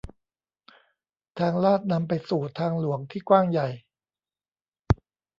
ทางลาดนำไปสู่ทางหลวงที่กว้างใหญ่